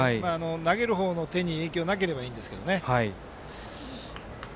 投げる方の手に影響がなければいいんですけどね。